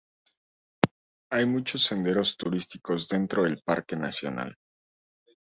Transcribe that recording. Hay muchos senderos turísticos dentro del parque nacional.